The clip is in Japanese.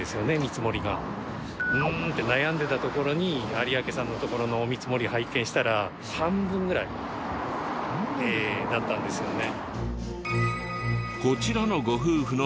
うんって悩んでいたところに有明さんのところのお見積もりを拝見したら半分ぐらいだったんですよね。